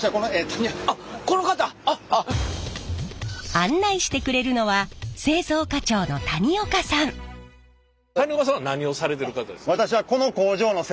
案内してくれるのは谷岡さんは何をされてる方ですか？